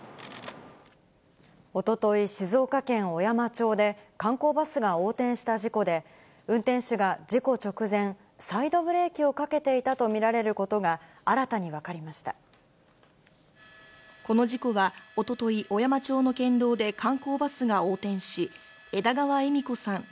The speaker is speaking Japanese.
おととい、静岡県小山町で、観光バスが横転した事故で、運転手が事故直前、サイドブレーキをかけていたと見られることが、新たに分かりましこの事故は、おととい、小山町の県道で観光バスが横転し、枝川恵美子さん